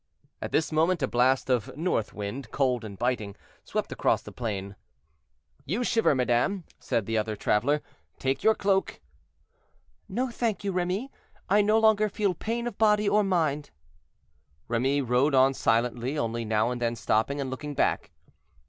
At this moment a blast of north wind, cold and biting, swept across the plain. "You shiver, madame," said the other traveler; "take your cloak." "No, thank you, Remy; I no longer feel pain of body or mind." Remy rode on silently, only now and then stopping and looking back.